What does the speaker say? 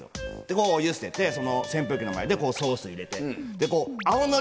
こうお湯捨てて扇風機の前でソース入れて。